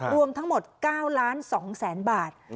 รวมทั้งหมด๙๒๐๐๐๐บาท